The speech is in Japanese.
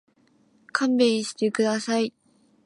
勘弁してください。